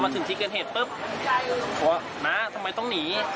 ถึงที่เกิดเหตุปุ๊บง